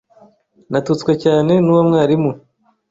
Natutswe cyane nuwo mwarimu.